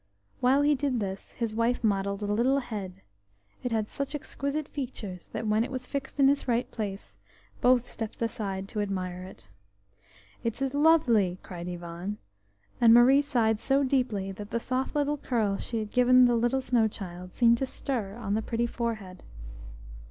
While he did this, his wife modelled a little head; it had such exquisite features that when it was fixed in its right place, both stepped aside to admire it. "It is lovely!" cried Ivan, and Marie sighed so deeply that the soft little curls she had given the little snow child seemed to stir on the pretty forehead.